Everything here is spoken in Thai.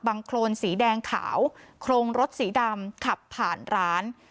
โครนสีแดงขาวโครงรถสีดำขับผ่านร้าน